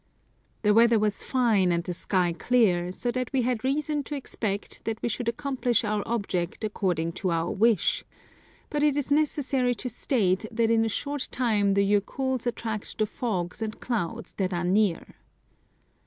The weather was fine and the sky clear, so that we had reason to expect that we should accomplish our object according to our wish, but it is necessary to state that in a short time the Jokulls attract the fogs and clouds that are near.